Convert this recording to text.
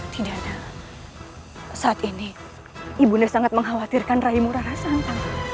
tidak ada saat ini ibuna sangat mengkhawatirkan raimu rara santang